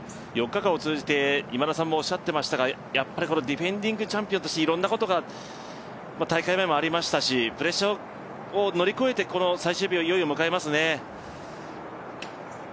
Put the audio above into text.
４日間を通じて今田さんもおっしゃっていましたが、ディフェンディングチャンピオンとしていろんなことが大会前もありましたし、プレッシャーを乗り越えて、この最終日をいよいよ迎えますね。